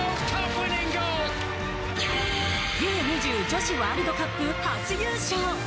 Ｕ‐２０女子ワールドカップ初優勝。